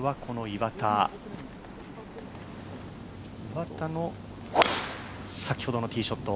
岩田の先ほどのティーショット。